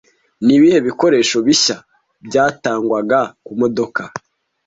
ni ibihe bikoresho bishya byatangwaga ku modoka